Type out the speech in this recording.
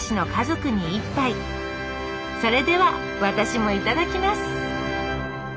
それでは私もいただきます！